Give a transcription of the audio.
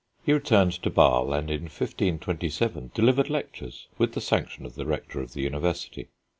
He returned to Basle, and in 1527 delivered lectures with the sanction of the Rector of the university.